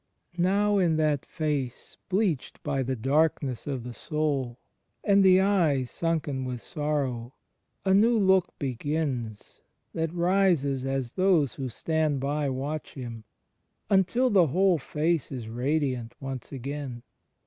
Now in that Face, bleached by the darkness of the soul, and the Eyes, 144 ^1^^ FRIENDSHIP OF CHRIST sunken with sorrow, a new look begins, that rises, as those who stand by watch Him, until the whole Face is radiant once again.